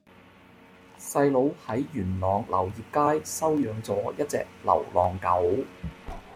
細佬喺元朗流業街收養左一隻流浪狗